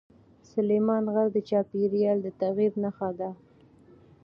سلیمان غر د چاپېریال د تغیر نښه ده.